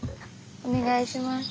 お願いします。